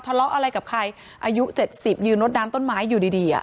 ทะเลาะอะไรกับใครอายุ๗๐ยืนรถน้ำต้นไม้อยู่ดีอ่ะ